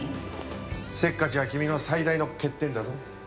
せっかちは君の最大の欠点だぞ。